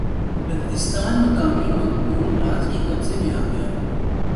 بلتستان مقامی مقپون راج کے قبضے میں آگیا